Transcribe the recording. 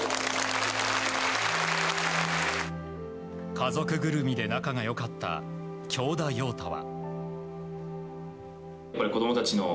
家族ぐるみで仲が良かった京田陽太は。